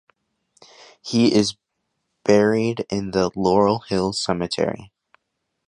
He is buried in the Laurel Hill Cemetery.